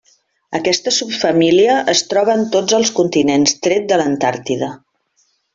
Aquesta subfamília es troba en tots els continents tret de l'Antàrtida.